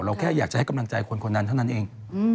แค่อยากจะให้กำลังใจคนคนนั้นเท่านั้นเอง